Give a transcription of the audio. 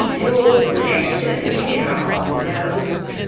"Lor bless her dear heart, no!"